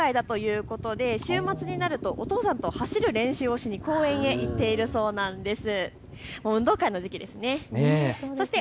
もうすぐ運動会ということで週末になるとお父さんと走る練習をしに公園に行っているそうなんです。